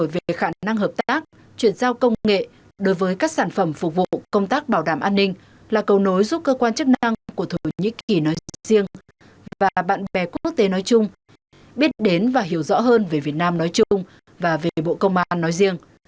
về khả năng hợp tác chuyển giao công nghệ đối với các sản phẩm phục vụ công tác bảo đảm an ninh là cầu nối giúp cơ quan chức năng của thổ nhĩ kỳ nói riêng và bạn bè quốc tế nói chung biết đến và hiểu rõ hơn về việt nam nói chung và về bộ công an nói riêng